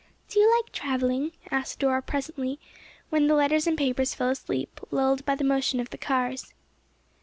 "Do you like travelling?" asked Dora, presently, when the letters and papers fell asleep, lulled by the motion of the cars.